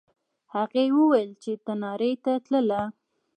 هغې وویل چې تنارې ته تلله.